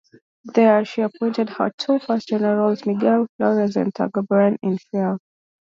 There, she appointed her first two generals, Miguel Flores and Tagabuen Infiel.